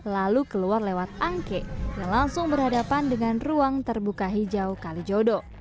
lalu keluar lewat angke yang langsung berhadapan dengan ruang terbuka hijau kalijodo